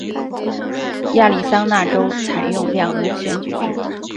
亚利桑那州采用两轮选举制。